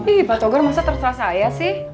ih pak togar masa terserah saya sih